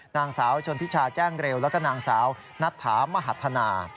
นางสาวชนทิชาแจ้งเร็วแล้วก็นางสาวนัทธามหัฒนา